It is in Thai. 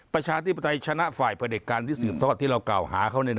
ประชาธิปไตยชนะฝ่ายประเด็จการที่สืบทอดที่เรากล่าวหาเขา